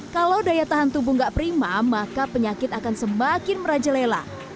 kalau daya tahan tubuh nggak prima maka penyakit akan semakin merajalela